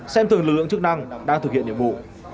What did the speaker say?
xem thường lực lượng chức năng đang thực hiện nhiệm vụ